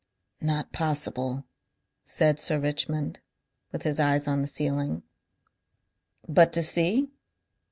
"Not possible," said Sir Richmond, with his eyes on the ceiling. "But to see?"